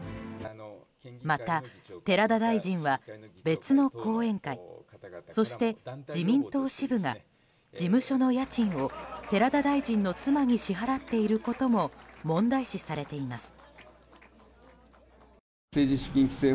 また寺田大臣は、別の後援会そして自民党支部が事務所の家賃を、寺田大臣の妻に支払っていることも問題視されています。